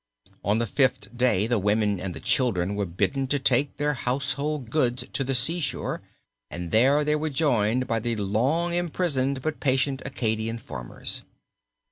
On the fifth day the women and the children were bidden to take their household goods to the seashore and there they were joined by the long imprisoned but patient Acadian farmers.